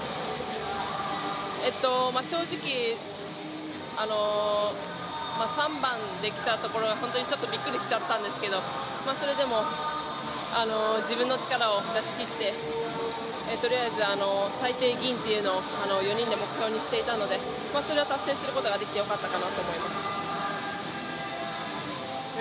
正直、３番できたところが本当にちょっとびっくりしちゃったんですけどそれでも自分の力を出しきって、とりあえず最低、銀というのを４人で目標にしていたのでそれを達成できたのはよかったなと思います。